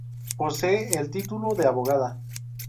Posee el título de abogada.